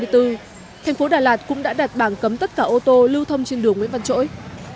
thành phố đà lạt cũng đã đặt bảng cấm tất cả ô tô lưu thông trên đường nguyễn văn trỗi